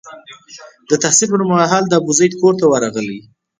د تحصیل پر مهال د ابوزید کور ته ورغلی.